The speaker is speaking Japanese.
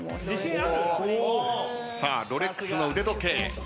ロレックスの腕時計。